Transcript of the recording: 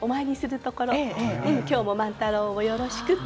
今日も万太郎をよろしくって。